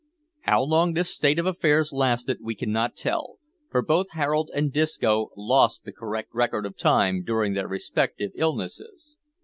How long this state of affairs lasted we cannot tell, for both Harold and Disco lost the correct record of time during their respective illnesses.